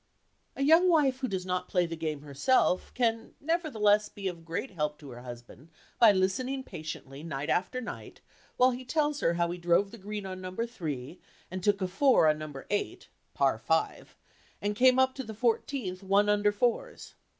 A young wife who does not play the game herself can, nevertheless, be of great help to her husband by listening patiently, night after night, while he tells her how he drove the green on number three, and took a four on number eight (Par five), and came up to the fourteenth one under fours.